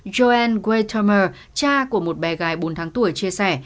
joanne guenthermer cha của một bé gái bốn tháng tuổi chia sẻ